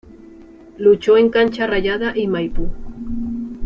Luchó en Cancha Rayada y Maipú.